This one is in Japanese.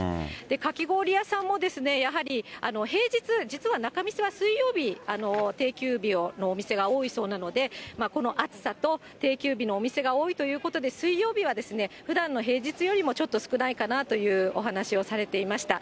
かき氷屋さんも、やはり、平日、実は仲見世は水曜日、定休日のお店が多いそうなので、この暑さと定休日のお店が多いということで、水曜日はふだんの平日よりもちょっと少ないかなというお話をされていました。